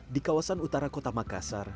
di kawasan utara kota makassar